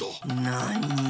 なに？